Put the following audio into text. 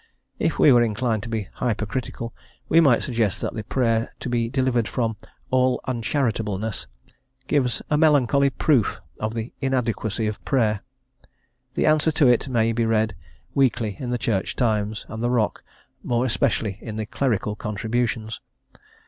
If we were inclined to be hypercritical we might suggest that the prayer to be delivered from "all uncharitableness" gives a melancholy proof of the inadequacy of prayer; the answer to it may be read weekly in the Church Times and the Rock more especially in the clerical contributions.